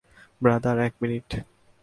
Brother, এক minute.